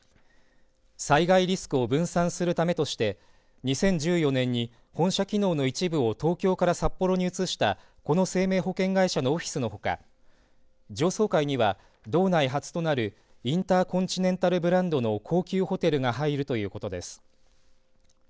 災害リスクを分散するためとして２０１４年に本社機能の一部を東京から札幌に移したこの生命保険会社のオフィスのほか上層階には道内初となるインターコンチネンタルブランドの高級ホテルが入るということです。